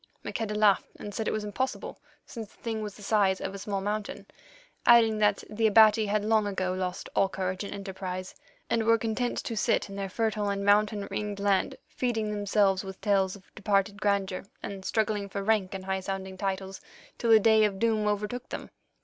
Maqueda laughed and said it was impossible, since the thing was the size of a small mountain, adding that the Abati had long ago lost all courage and enterprise, and were content to sit in their fertile and mountain ringed land, feeding themselves with tales of departed grandeur and struggling for rank and high sounding titles, till the day of doom overtook them.